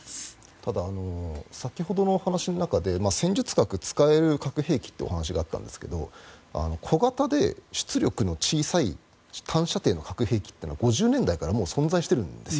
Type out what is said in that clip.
ただ、先ほどの話の中で戦術核、使える核兵器っていうお話があったんですけど小型で出力の小さい短射程の核兵器というのは５０年代からもう存在しているんです。